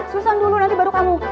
susahng dulu nanti baru kamu